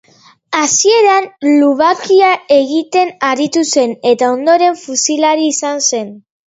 Hasieran lubakiak egiten aritu zen eta ondoren fusilari izan zen.